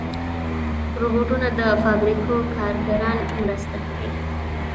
روبوټونه د فابریکو کارګران مرسته کوي.